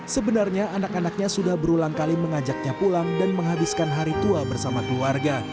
sebenarnya anak anaknya sudah berulang kali mengajaknya pulang dan menghabiskan hari tua bersama keluarga